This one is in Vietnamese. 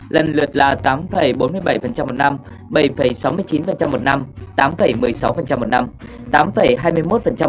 lần lượt là tám bốn mươi bảy một năm bảy sáu mươi chín một năm tám một mươi sáu một năm